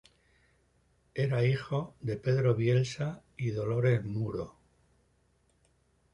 Era hijo de Pedro Bielsa y Dolores Muro.